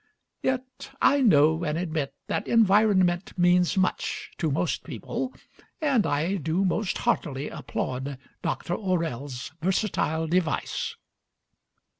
Yet I know and admit that environment means much to most people, and I do most heartily applaud Dr. O'Rell's versatile device.